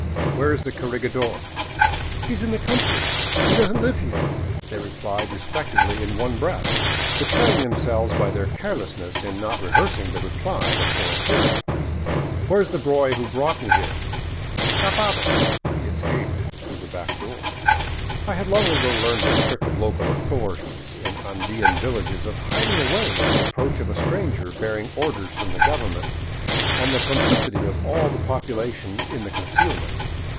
"Where is the corregidor?" " He is in the country. He does n't live here," they replied re spectively in one breath, betraying themselves by their carelessness in not rehearsing the reply before appearing. " Where is the boy who brought me here ?"" Escapado — he escaped — through the back door." I had long ago learned this trick af local " authorities " in Andean villages of hiding away at the approach of a stranger bearing orders from the government, and the complicity of all the population in the concealment.